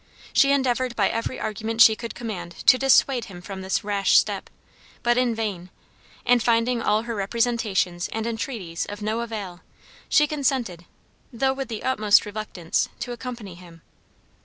She endeavored by every argument she could command to dissuade him from this rash step, but in vain, and finding all her representations and entreaties of no avail, she consented, though with the utmost reluctance, to accompany him.